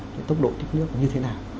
cái tốc độ tích nước như thế nào